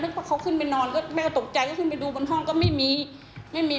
แล้วเขาขึ้นไปนอนแม่ก็ตกใจขึ้นไปดูบนห้องก็ไม่มี